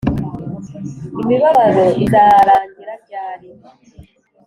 Imibabaro izarangira ryari?